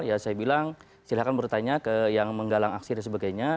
ya saya bilang silahkan bertanya ke yang menggalang aksi dan sebagainya